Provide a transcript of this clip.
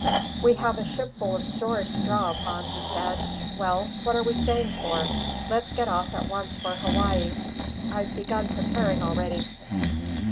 "We have a shipful of stores to draw upon," he said. "Well, what are we staying for? Let's get off at once for Hawaii. I've begun preparing already."